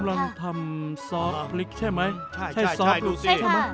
คุณกำลังทำซอสพลิกใช่ไหมใช่ค่ะ